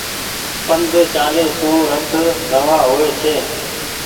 پند چآلي سون رت روآن هووي ڇي۔